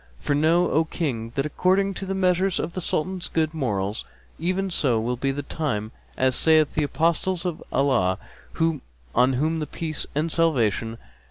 For know, O King, that according to the measure of the Sultan's good morals, even so will be the time; as saith the Apostle of Allah (on whom be peace and salvation!)